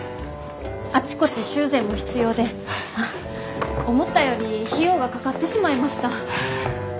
あちこち修繕も必要で思ったより費用がかかってしまいました。